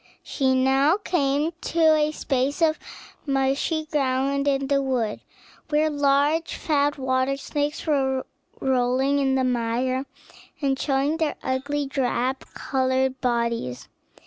She now came to a space of marshy ground in the wood, where large, fat water snakes were rolling in the mire, and showing their ugly, drab colored bodies.